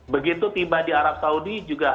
begitu tiba di arab saudi juga